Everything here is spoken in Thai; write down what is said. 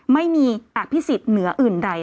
ไม่มีแอบพิสิทธิ์เหนืออื่นใด